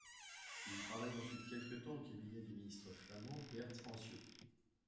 Il travaille ensuite quelque temps au cabinet du ministre flamand Bert Anciaux.